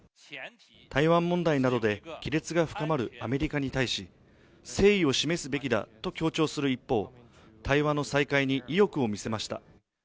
台湾問題などで亀裂が深まるアメリカに対し、誠意を示すべきだと強調する一方、対話の再開に意欲を見せました。